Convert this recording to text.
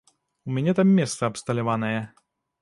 У мяне там месца абсталяванае.